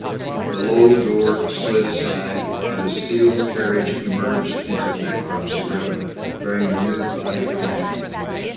The low door slid aside and a steel carriage emerged into the necropsy room bearing the nude body of a man.